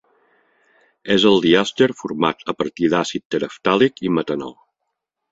És el diàster format a partir d'àcid tereftàlic i metanol.